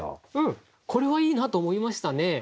これはいいなと思いましたね。